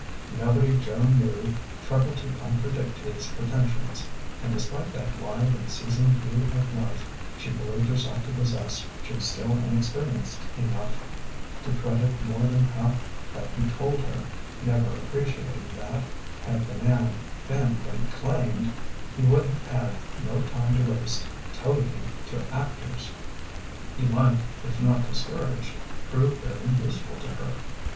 Nobody Joan knew troubled to contradict his pretensions, and despite that wide and seasoned view of life she believed herself to possess she was still inexperienced enough to credit more than half that he told her, never appreciating that, had the man been what he claimed, he would have had no time to waste toadying to actors. He might, if not discouraged, prove very useful to her.